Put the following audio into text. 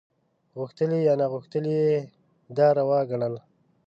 غوښتلي یا ناغوښتلي یې دا روا ګڼله.